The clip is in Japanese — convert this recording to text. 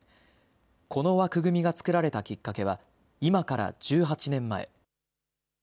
この枠組みが作られたきっかけは、今から１８年前。